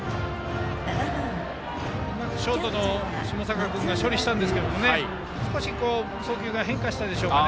ショートの下坂君がうまく処理したんですが少し送球が変化したでしょうか。